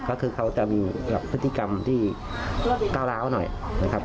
ก็คือเขาจะมีพฤติกรรมที่ก้าวร้าวหน่อยนะครับ